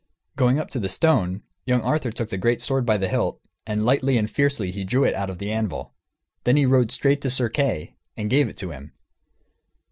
Going up to the stone, young Arthur took the great sword by the hilt, and lightly and fiercely he drew it out of the anvil. Then he rode straight to Sir Kay, and gave it to him.